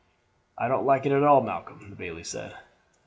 "I don't like it at all, Malcolm," the bailie said.